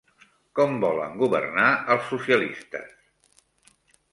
Com volen governar els socialistes?